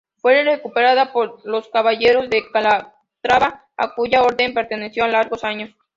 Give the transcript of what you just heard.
Fue recuperada por los Caballeros de Calatrava, a cuya orden perteneció largos años.